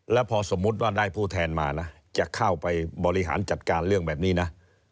แล้วพอสมมุติว่าได้ผู้แทนมานะจะเข้าไปบริหารจัดการเรื่องแบบนี้นะ